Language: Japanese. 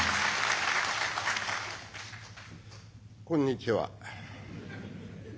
こんにちは。